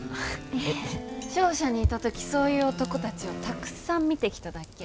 商社にいた時そういう男たちをたくさん見てきただけ。